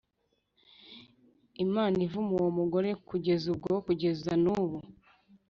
imana ivuma uwo mugore kuva ubwo kugeza nubu